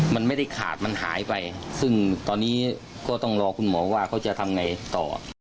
มันไม่ได้ขาดมันหายไปซึ่งตอนนี้ก็ต้องรอคุณหมอว่าเขาจะทำไงต่อ